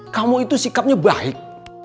kamu itu sikapnya baik